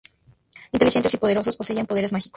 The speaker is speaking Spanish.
Inteligentes y poderosos, poseían poderes mágicos.